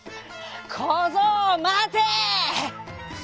「こぞうまて」。